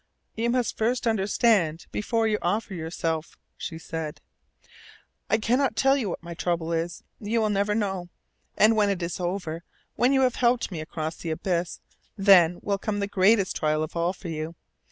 "You must first understand before you offer yourself," she said. "I cannot tell you what my trouble is. You will never know. And when it is over, when you have helped me across the abyss, then will come the greatest trial of all for you.